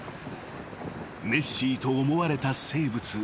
［ネッシーと思われた生物。